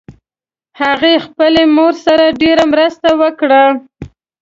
هغې خپلې مور سره ډېر مرسته وکړه